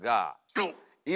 はい。